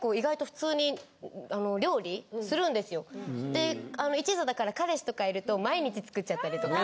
で一途だから彼氏とかいると毎日作っちゃったりとか。